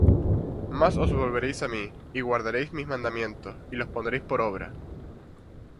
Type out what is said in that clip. Mas os volveréis á mí, y guardaréis mis mandamientos, y los pondréis por obra.